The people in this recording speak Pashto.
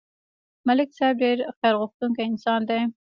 ملک صاحب ډېر خیرغوښتونکی انسان دی